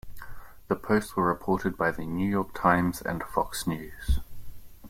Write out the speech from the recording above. The posts were reported by "The New York Times" and Fox News.